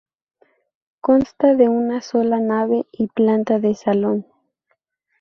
Consta de una sola nave y planta de salón.